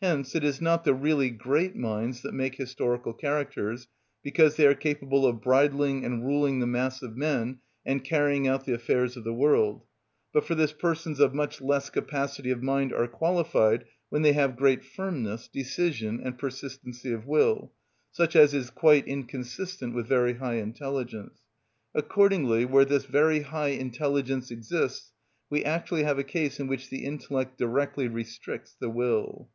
Hence it is not the really great minds that make historical characters, because they are capable of bridling and ruling the mass of men and carrying out the affairs of the world; but for this persons of much less capacity of mind are qualified when they have great firmness, decision, and persistency of will, such as is quite inconsistent with very high intelligence. Accordingly, where this very high intelligence exists we actually have a case in which the intellect directly restricts the will.